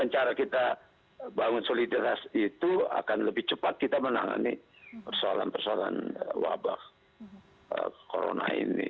karena bangun soliditas itu akan lebih cepat kita menangani persoalan persoalan wabah corona ini